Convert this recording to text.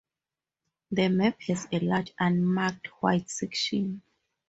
The map has a large unmarked white section.